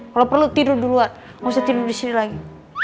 kalau perlu tidur dulu gak usah tidur disini lagi